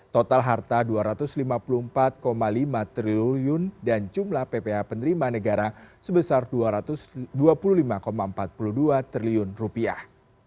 total harta dua ratus lima puluh empat lima triliun dan jumlah pph penerima negara sebesar dua ratus dua puluh lima empat puluh dua triliun rupiah